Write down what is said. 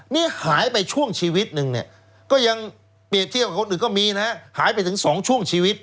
นี่หายไปช่วงชีวิตหนึ่งเปรียบที่กับคนอื่นก็มีนะหายไปถึง๒ช่วงชีวิต